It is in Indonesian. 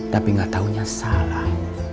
tapi nggak tahunya salah